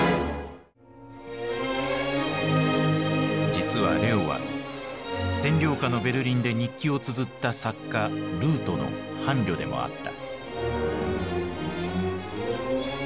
実はレオは占領下のベルリンで日記をつづった作家ルートの伴侶でもあった。